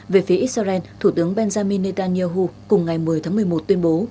về phía israel thủ tướng benjamin netanyahu cùng ngày một mươi tháng một mươi một tuyên bố